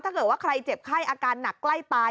ถ้าเกิดว่าใครเจ็บไข้อาการหนักใกล้ตาย